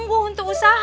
aduh auh auh